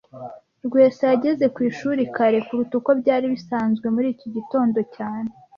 Rwesa yageze ku ishuri kare kuruta uko byari bisanzwe muri iki gitondo cyane